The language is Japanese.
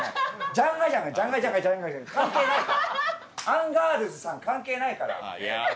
アンガールズさん関係ないから。